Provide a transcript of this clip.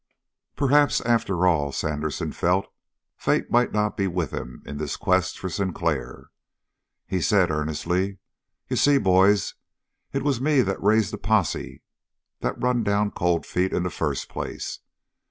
Perhaps after all, Sandersen felt, fate might not be with him in this quest for Sinclair. He said earnestly: "You see, boys, it was me that raised the posse that run down Cold Feet in the first place.